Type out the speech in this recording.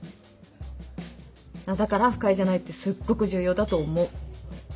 だから不快じゃないってすっごく重要だと思う。